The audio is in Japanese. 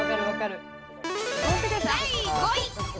第５位。